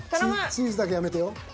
チーズだけやめてよ。